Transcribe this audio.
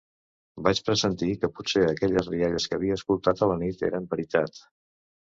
Vaig pressentir que potser aquelles rialles que havia escoltat a la nit eren veritat...